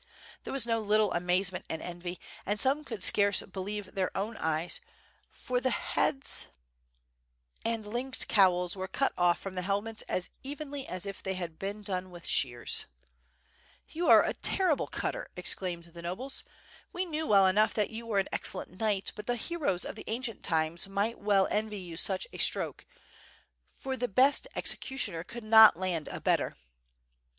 There was no little amazement and envy, and some could scarce believe their own eyes for the heads and PAN LONGIN SLASHED TERRIBLY. WITH FIRE AND SWORD. 747 linked cowls were cut off from the helmets as evenly as if they had been done with shears. *'You are a terrible cutter/' exclaimed the nobles. "We knew well enough that you were an excellent knight, but the heroes of the ancient times might well envy you such a stroke, for the best executioner could not land a better."